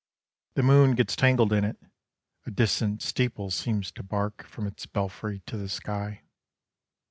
The moon gets tangled in it, A distant steeple seems to bark From its belfry to the sky.